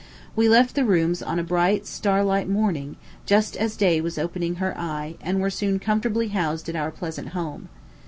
We left the rooms on a bright, starlight morning, just as day was opening her eye, and were soon comfortably housed at our pleasant home.